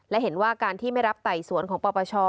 และเห็นว่าการที่ไม่รับไต่สวนของปปช